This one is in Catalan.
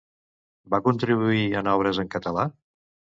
Va contribuir en obres en català?